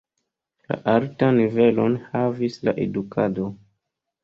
La altan nivelon havis la edukado.